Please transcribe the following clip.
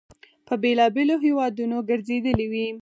په بېلابېلو هیوادونو ګرځېدلی وي.